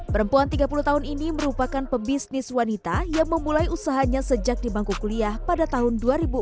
perempuan tiga puluh tahun ini merupakan pebisnis wanita yang memulai usahanya sejak di bangku kuliah pada tahun dua ribu empat